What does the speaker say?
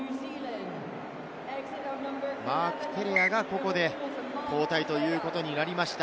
マーク・テレアがここで交代ということになりました。